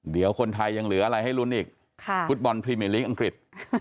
เดี๋ยวคนไทยยังเหลืออะไรให้ลุ้นอีกฟุตบอลพรีเมอร์ลีกอังกฤษ